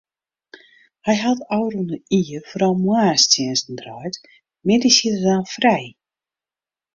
Hy hat ôfrûne jier foaral moarnstsjinsten draaid, middeis hie er dan frij.